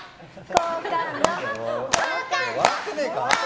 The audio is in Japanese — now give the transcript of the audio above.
好感度！